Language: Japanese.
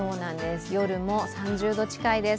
夜も３０度近いです。